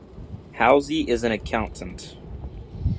Howze is an accountant.